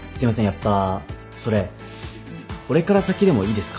やっぱそれ俺から先でもいいですか？